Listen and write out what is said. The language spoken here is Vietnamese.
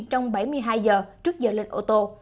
trong bảy mươi hai giờ trước giờ lên ô tô